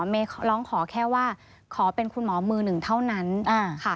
เมย์ร้องขอแค่ว่าขอเป็นคุณหมอมือหนึ่งเท่านั้นค่ะ